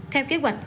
theo kế hoạch